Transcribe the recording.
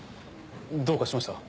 どうかしました？